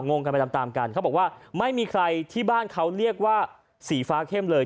งงกันไปตามตามกันเขาบอกว่าไม่มีใครที่บ้านเขาเรียกว่าสีฟ้าเข้มเลย